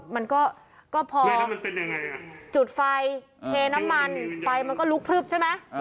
มันก็พอจุดไฟเทน้ำมันไฟมันก็ลุกพลึบใช่ไหม